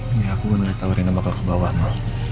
ini aku ga tahu rena bakal kebawah ma